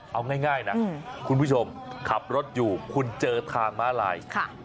เอาง่ายนะคุณผู้ชมขับรถอยู่คุณเจอทางม้าลาย